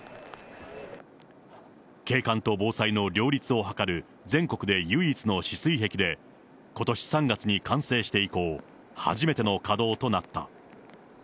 景観と防災の両立を図る全国で唯一の止水壁で、ことし３月に完成して以降、初めての稼働となった。